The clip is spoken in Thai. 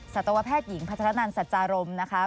สัตวแพทย์หญิงพัฒนันสัจจารมนะคะ